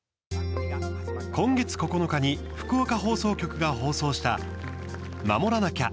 今月９日に福岡放送局が放送した「守らなきゃ！